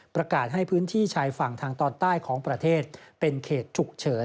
ประกาศให้พื้นที่ชายฝั่งทางตอนใต้ของประเทศเป็นเขตฉุกเฉิน